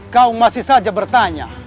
kau masih saja bertanya